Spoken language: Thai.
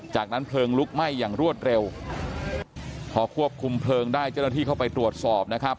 จากนั้นเพลิงลุกไหม้อย่างรวดเร็วพอควบคุมเพลิงได้เจ้าหน้าที่เข้าไปตรวจสอบนะครับ